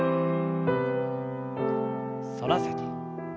反らせて。